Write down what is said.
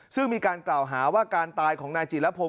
ซึ่งมีการกล่าวหาว่าการตายของนายจิรพงศ